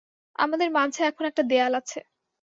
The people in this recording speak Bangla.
আমাদের মাঝে এখন একটা দেয়াল আছে।